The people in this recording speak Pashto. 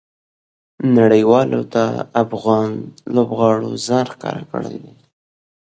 نړۍوالو ته افغان لوبغاړو ځان ښکاره کړى دئ.